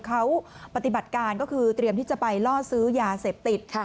เขาปฏิบัติการก็คือเตรียมที่จะไปล่อซื้อยาเสพติด